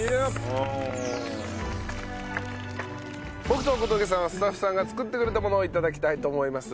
僕と小峠さんはスタッフさんが作ってくれたものを頂きたいと思います。